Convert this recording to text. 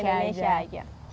oke bahasa indonesia aja